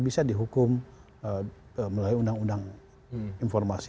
bisa dihukum melalui undang undang informasi